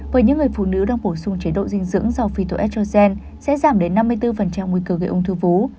với những người phụ nữ đang bổ sung chế độ dinh dưỡng dầu phyto estrogen sẽ giảm đến năm mươi bốn nguy cơ gây ung thư vú